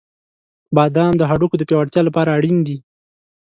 • بادام د هډوکو د پیاوړتیا لپاره اړین دي.